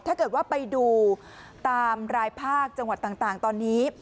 ถ้าเกิดว่าไปดูตามรายภาคจังหวัดต่างตอนนี้